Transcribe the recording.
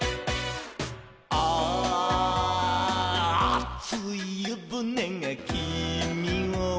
「あついゆぶねがきみを」